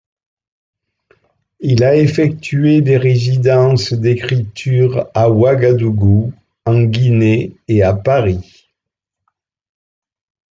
Il a effectué des résidences d'écritures à Ouagadougou, en Guinée et à Paris.